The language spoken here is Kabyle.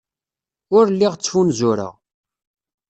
Ur lliɣ ttfunzureɣ.